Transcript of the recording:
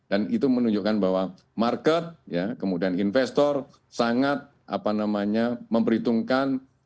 dan itu menunjukkan bahwa market ya kemudian investor sangat apa namanya memperhitungkan